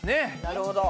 なるほど。